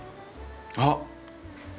あっ！